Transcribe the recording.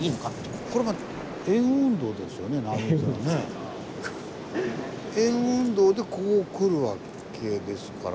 円運動でこうくるわけですから。